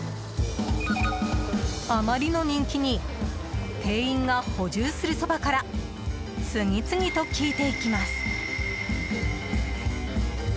あまりの人気に店員が補充するそばから次々と消えていきます。